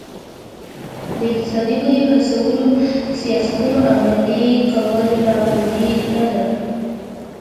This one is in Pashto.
د اقتصادي ودې هڅولو سیاستونه عملي کول ناپوهي نه ده.